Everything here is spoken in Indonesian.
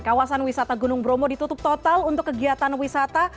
kawasan wisata gunung bromo ditutup total untuk kegiatan wisata